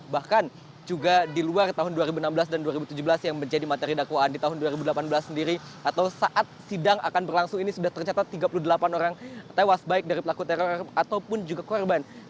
bahkan juga di luar tahun dua ribu enam belas dan dua ribu tujuh belas yang menjadi materi dakwaan di tahun dua ribu delapan belas sendiri atau saat sidang akan berlangsung ini sudah tercatat tiga puluh delapan orang tewas baik dari pelaku teror ataupun juga korban